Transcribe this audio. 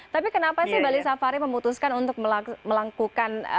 tapi kenapa sih bali safari memutuskan untuk melakukan